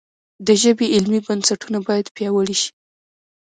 د ژبې علمي بنسټونه باید پیاوړي شي.